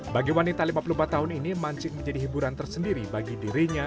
bagi wanita lima puluh empat tahun ini mancing menjadi hiburan tersendiri bagi dirinya